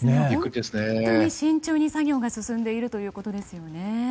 本当に慎重に作業が進んでいるということですね。